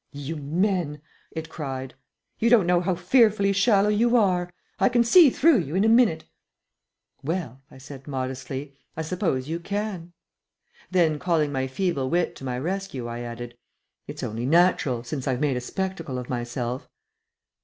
"You men!" it cried. "You don't know how fearfully shallow you are. I can see through you in a minute." "Well," I said, modestly, "I suppose you can." Then calling my feeble wit to my rescue, I added, "It's only natural, since I've made a spectacle of myself."